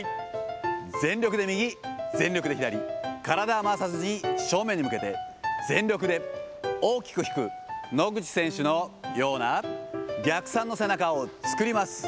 全力で右、全力で左、体は回さずに正面に向けて、全力で大きく引く、野口選手のような、逆三の背中を作ります。